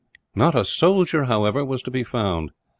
Not a soldier, however, was to be found.